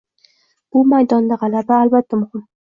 Bu maydonda g‘alaba, albatta muhim.